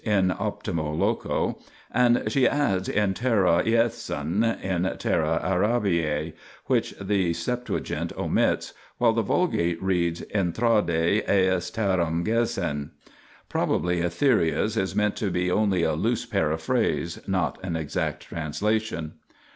in Optimo loco), and she adds in terra lessen, in terra Arabiae, which the LXX omits, while the Vulg. reads et trade eis terrain Gessen. Probably Etheria's is meant to be only a loose paraphrase, not an exact transcription.